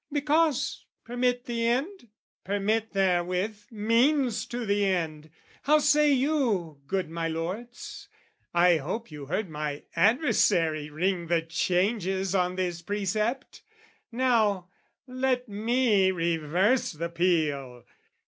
Because, permit the end permit therewith Means to the end! How say you, good my lords? I hope you heard my adversary ring The changes on this precept: now, let me Reverse the peal!